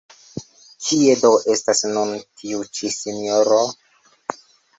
Kie do estas nun tiu ĉi sinjoro?